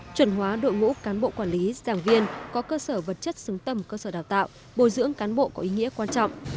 chuẩn hóa đội ngũ cán bộ quản lý giảng viên có cơ sở vật chất xứng tầm cơ sở đào tạo bồi dưỡng cán bộ có ý nghĩa quan trọng